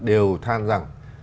đều than rằng